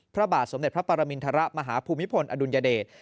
พระบาทสมเด็จพระปรมินทรมาฮภูมิพลอดุลยเดช